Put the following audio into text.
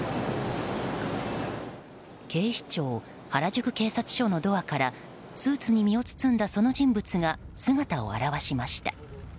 警視庁原宿警察署のドアからスーツに身を包んだその人物が姿を現しました。